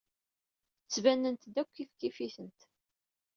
Ttbanent-d akk kifkif-itent.